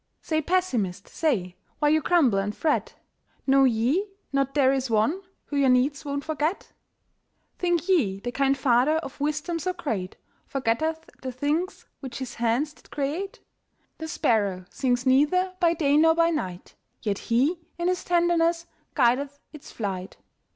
Say, Pessimist, say, while you grumble and fret, Know ye not there is One who your needs won't forget? Think ye the kind Father of wisdom so great Forgetteth the things which His hands did create? The sparrow sings neither by day nor by night, Yet He, in His tenderness, guideth its flight.